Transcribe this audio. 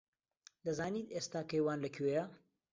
دەزانیت ئێستا کەیوان لەکوێیە؟